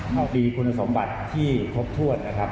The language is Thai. โชคดีคุณสมบัติที่ครบถ้วนนะครับ